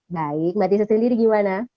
baik mbak tisa sendiri gimana